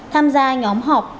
tham gia nhóm họp